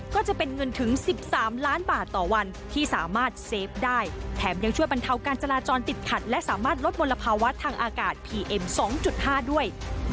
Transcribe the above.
ก็จะเป็นเงินถึง๑๓ล้านบาทต่อวันที่สามารถเซฟได้แถมยังช่วยบรรเทาการจราจรติดขัดและสามารถลดมลภาวะทางอากาศพีเอ็ม๒๕ด้วย